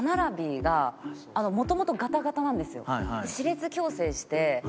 私歯列矯正して。